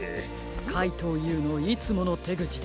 かいとうＵのいつものてぐちですね。